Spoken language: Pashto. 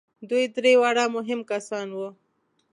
دوی درې واړه مهم کسان وو.